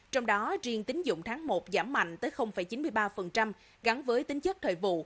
trong đó riêng tính dụng tháng một giảm mạnh tới chín mươi ba gắn với tính chất thời vụ